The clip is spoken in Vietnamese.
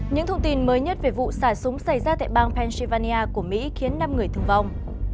những thông tin mới nhất về vụ xả súng xảy ra tại bang pennsylvania của mỹ khiến năm người thương vong